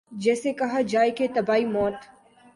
جسے کہا جائے کہ طبیعی موت